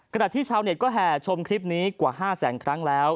ขณะที่ชาวเน็ตก็แห่ชมคลิปนี้กว่า๕แสนครั้งแล้ว